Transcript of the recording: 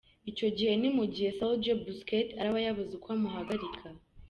Icyo gihe ni mu gihe Sergio Busquet araba yabuze uko amuhagarika.